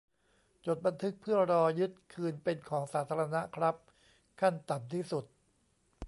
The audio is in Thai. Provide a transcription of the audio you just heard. จดบันทึก เพื่อรอยึดคืนเป็นของสาธารณะครับ ขั้นต่ำที่สุด